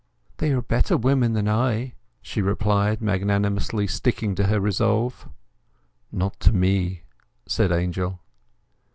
"They are better women than I," she replied, magnanimously sticking to her resolve. "Not to me," said Angel.